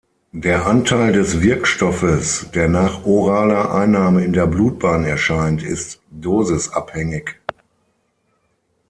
Der Anteil des Wirkstoffes, der nach oraler Einnahme in der Blutbahn erscheint, ist dosisabhängig.